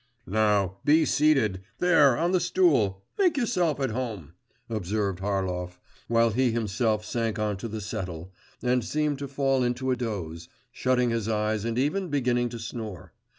'Now, be seated, there on the stool; make yourself at home,' observed Harlov, while he himself sank on to the settle, and seemed to fall into a doze, shutting his eyes and even beginning to snore.